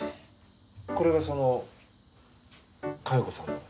これがその佳代子さんの？